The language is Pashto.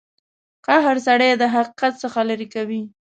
قهر سړی د حقیقت څخه لرې کوي.